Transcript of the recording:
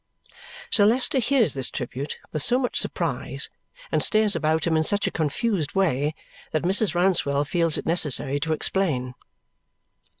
Sir Leicester hears this tribute with so much surprise and stares about him in such a confused way that Mrs. Rouncewell feels it necessary to explain.